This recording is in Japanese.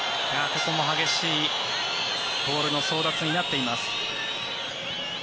ここも激しいボールの争奪になっています。